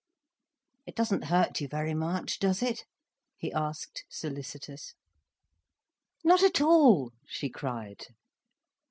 "It doesn't hurt you very much, does it?" he asked, solicitous. "Not at all," she cried.